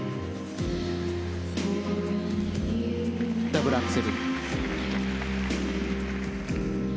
ダブルアクセル。